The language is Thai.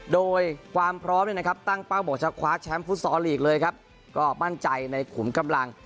โดยความพร้อมเนี่ยนะครับตั้งเป้าบอกจะคว้าแชมป์ฟุตซอลลีกเลยครับก็มั่นใจในขุมกำลัง